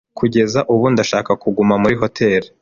Kugeza ubu, ndashaka kuguma muri hoteri.